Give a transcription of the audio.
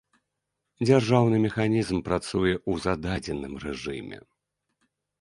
Дзяржаўны механізм працуе ў зададзеным рэжыме.